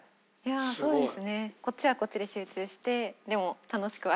そうですね。